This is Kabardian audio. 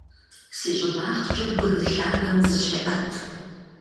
Си щӀыбагъкӀэ бгы лъагэм зыщеӀэт.